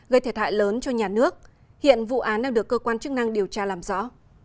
gây thiệt hại lớn cho nhà nước hiện vụ án đang được cơ quan chức năng điều tra làm rõ